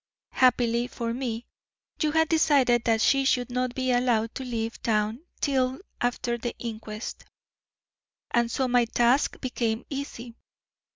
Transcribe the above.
Happily for me, you had decided that she should not be allowed to leave town till after the inquest, and so my task became easy.